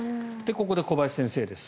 ここで小林先生です。